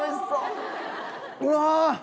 うわ！